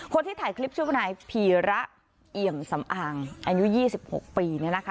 คนที่ถ่ายคลิปชื่อบนายพีระเอียงสำอางอายุยี่สิบหกปีเนี่ยนะคะ